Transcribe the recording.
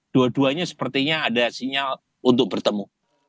dua duanya sepertinya ada sinyal untuk bertemu